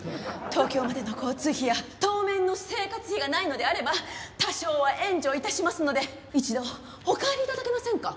東京までの交通費や当面の生活費がないのであれば多少は援助致しますので一度お帰り頂けませんか？